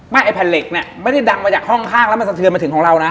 ไอ้แผ่นเหล็กเนี่ยไม่ได้ดังมาจากห้องข้างแล้วมันสะเทือนมาถึงของเรานะ